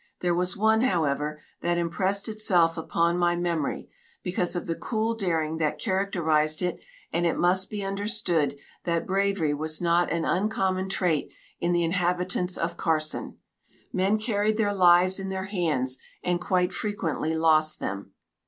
There was one, however, that impressed itself upon my memory because of the cool daring that characterized it, and it must be understood that bravery was not an uncommon trait in the inhabitants of Carson. Men carried their lives in their hands, and quite frequently lost them.